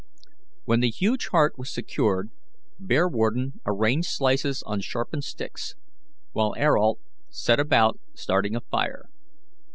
When the huge heart was secured, Bearwarden arranged slices on sharpened sticks, while Ayrault set about starting a fire.